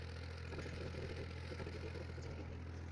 বাবার শাসন থেকে মুক্তি পেতে দ্রুতই লুকাডোকে বিয়ে করে ফেলতে চান ব্রিটনি।